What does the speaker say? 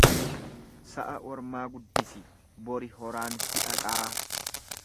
Sa'a ormaa guddisi bori horaan si dhaqaa.